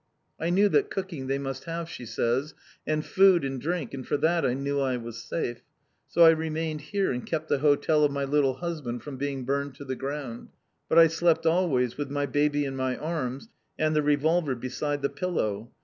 "I knew that cooking they must have," she says, "and food and drink, and for that I knew I was safe. So I remained here, and kept the hotel of my little husband from being burned to the ground! But I slept always with my baby in my arms, and the revolver beside the pillow.